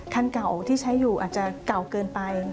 คันเก่าที่ใช้อยู่อาจจะเก่าเกินไป